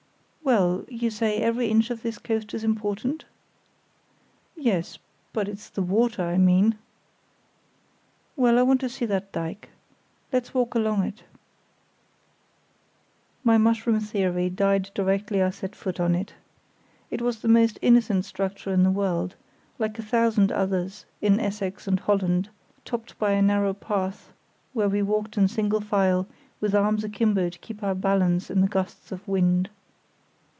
"Well, you say every inch of this coast is important?" "Yes, but it's the water I mean." "Well, I want to see that dyke. Let's walk along it." My mushroom theory died directly I set foot on it. It was the most innocent structure in the world—like a thousand others in Essex and Holland—topped by a narrow path, where we walked in single file with arms akimbo to keep our balance in the gusts of wind.